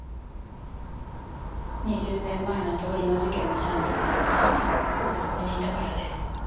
２０年前の通り魔事件の犯人がすぐそこにいたからです。